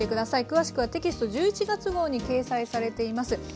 詳しくはテキスト１１月号に掲載されています。